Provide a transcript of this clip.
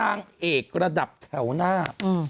นางเอกระดับแถวหน้า